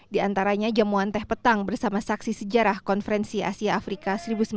diantaranya jamuan teh petang bersama saksi sejarah konferensi asia afrika seribu sembilan ratus lima puluh lima